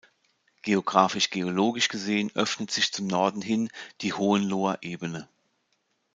Geografisch-geologisch gesehen öffnet sich zum Norden hin die Hohenloher Ebene.